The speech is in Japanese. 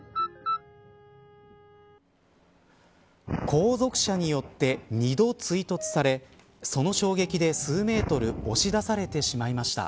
後続車によって２度、追突されその衝撃で数メートル押し出されてしまいました。